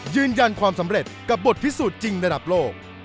ยืนยันความสำเร็จกับบทพิสูจน์จริงระดับโลก